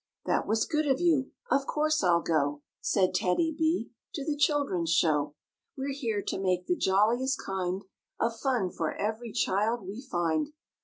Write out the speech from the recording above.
"That was good of you; of course I'll go," Said TEDDY B, "to the children's show; We' re here to make the jolliest kind Of fun for every child we find."